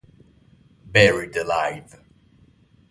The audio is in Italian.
Buried Alive